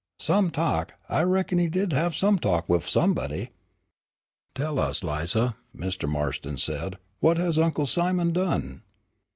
"Some talk! I reckon he did have some talk wif somebody!" "Tell us, Lize," Mr. Marston said, "what has Uncle Simon done?"